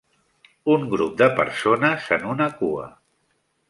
Un grup de persones en una cua.